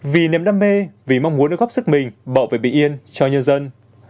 vì nếm đam mê vì mong muốn góp sức mình bảo vệ bình yên cho nhân dân